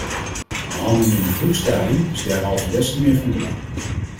Behandeling in een vroeg stadium is derhalve des te meer van belang.